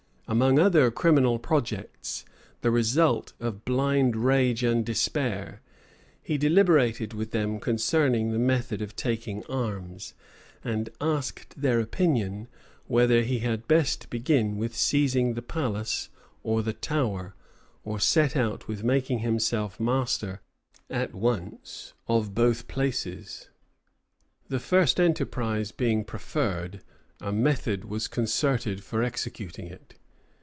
Among other criminal projects, the result of blind rage and despair, he deliberated with them concerning the method of taking arms; and asked their opinion, whether he had best begin with seizing the palace or the Tower, or set out with making himself master at once of both places. The first enterprise being preferred, a method was concerted for executing it.